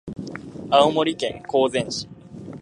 青森県弘前市